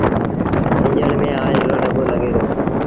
ايٚݩجڻ ميݩ آئيل رو ڏٻو لڳي دو۔